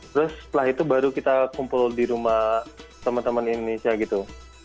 terus setelah itu baru kita kumpul di rumah teman teman indonesia gitu